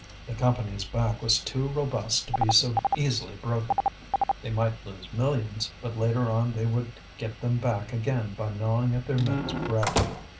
The Company's back was too robust to be so easily broken; they might lose millions, but later on they would get them back again by gnawing at their men's bread.